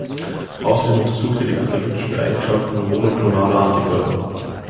Außerdem untersucht er die katalytischen Eigenschaften monoklonaler Antikörper.